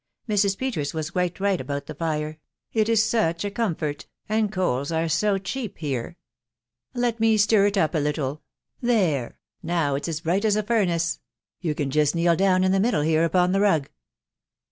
Mrs. Peters was quite right about the fire .... it is such a comfort ! and coals are so cheap here. ..• Let me stir it up a little .... there, now it's as bright as a furnace ; you can just kneel down in the middle here upon the rug."